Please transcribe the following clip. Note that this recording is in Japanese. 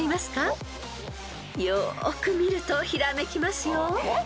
［よーく見るとひらめきますよ］